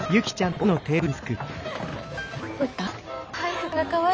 はい。